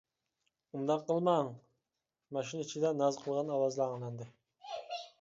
-ئۇنداق قىلماڭ. ماشىنا ئىچىدە ناز قىلغان ئاۋاز ئاڭلاندى.